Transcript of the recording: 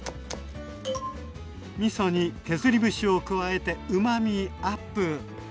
みそに削り節を加えてうまみアップ。